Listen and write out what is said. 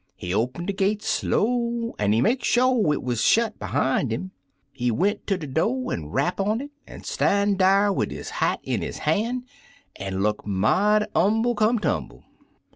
He open de gate slow, an' he make sho' it wuz shet behime 'im. He went ter de do' an' rap on it, an' stan' dar wid his hat in his han', an' look mighty umble come tumble.